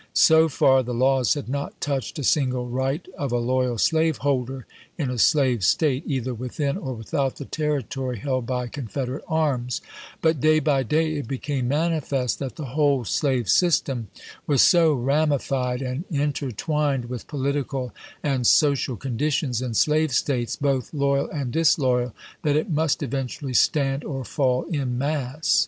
So far the laws had not touched a single right of a loyal slaveholder in a slave State, either within or without the territory held by Confederate arms; but day by day it became manifest that the whole slave system was so ramified and in tertwined with political and social conditions in slave States, both loyal and disloyal, that it must eventually stand or fall in mass.